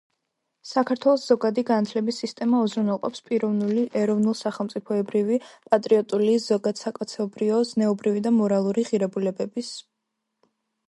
საქართველოს ზოგადი განათლების სისტემა უზრუნველყოფს პიროვნული, ეროვნულსახელმწიფოებრივი, პატრიოტული, ზოგადსაკაცობრიო, ზნეობრივი და მორალური ღირებულებების